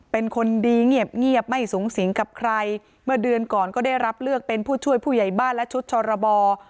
เป็นคนดีเงียบไม่สูงสิงกับใครเมื่อเดือนก่อนก็ได้รับเลือกเป็นผู้ช่วยผู้ใหญ่บ้านและชุดชรบ